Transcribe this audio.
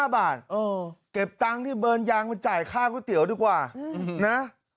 ๕บาทเก็บตังค์ที่เบิร์นยางมาจ่ายค่าก๋วยเตี๋ยวดีกว่านะ